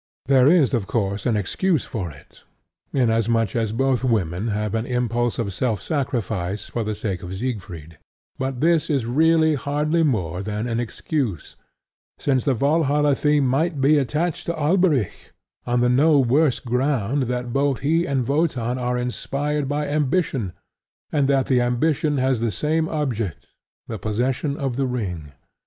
There is of course an excuse for it, inasmuch as both women have an impulse of self sacrifice for the sake of Siegfried; but this is really hardly more than an excuse; since the Valhalla theme might be attached to Alberic on the no worse ground that both he and Wotan are inspired by ambition, and that the ambition has the same object, the possession of the ring.